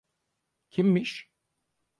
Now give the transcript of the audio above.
Kimmiş?